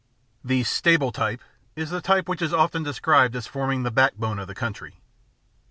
The stable type is the type which is often described as form ing the backbone of the country.